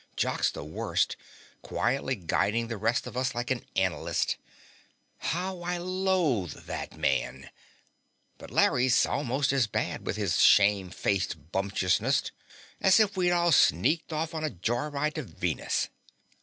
Jock's the worst, quietly guiding the rest of us like an analyst. How I loathe that man! But Larry's almost as bad, with his shame faced bumptiousness, as if we'd all sneaked off on a joyride to Venus.